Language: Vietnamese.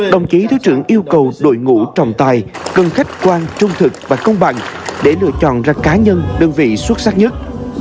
đồng chí thứ trưởng yêu cầu đội ngũ trọng tài cần khách quan trung thực và công bằng để lựa chọn ra cá nhân đơn vị xuất sắc nhất